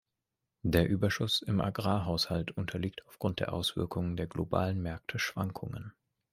Der Überschuss im Agrarhaushalt unterliegt aufgrund der Auswirkungen der globalen Märkte Schwankungen.